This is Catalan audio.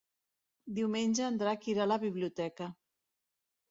Diumenge en Drac irà a la biblioteca.